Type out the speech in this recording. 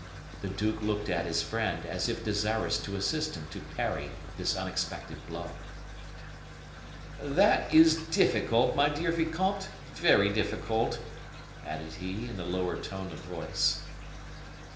The duke looked at his friend, as if desirous to assist him to parry this unexpected blow. "That is difficult, my dear vicomte, very difficult," added he, in a lower tone of voice.